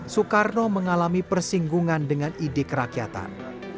soekarno mengalami persinggungan dengan ide kerakyatan